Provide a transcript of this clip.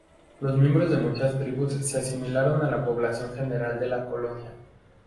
Los miembros de muchas tribus se asimilaron a la población general de la colonia.